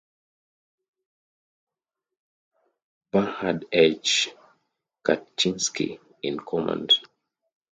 Bernard H. Katschinski in command.